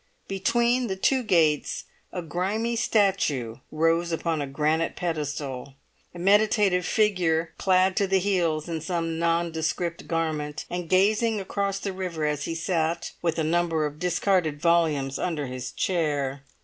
Between the two gates a grimy statue rose upon a granite pedestal, a meditative figure clad to the heels in some nondescript garment, and gazing across the river as he sat with a number of discarded volumes under his chair.